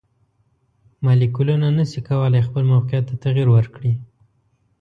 مالیکولونه نشي کولی خپل موقیعت ته تغیر ورکړي.